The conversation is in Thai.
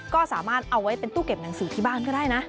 ก็สามารถเอาไว้เป็นตู้เก็บหนังสือที่บ้านก็ได้นะ